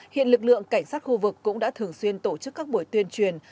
hiện lực lượng cảnh sát khu vực cũng đã thường xuyên tổ chức các buổi tuyên truyền